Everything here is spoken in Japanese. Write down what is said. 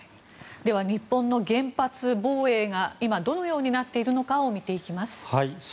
では日本の原発防衛が今、どのようになっているのかを見ていきます。